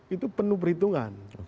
itu penuh perhitungan